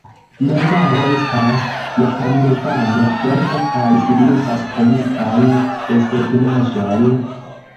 Mangao estas japandevana vorto kaj signifas komikan desegnaĵon.